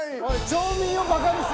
町民をバカにするな！」